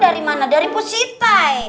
dari mana dari pak siti